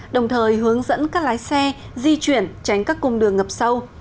đồng thời hướng dẫn các lái xe di chuyển tránh các cung đường ngập sâu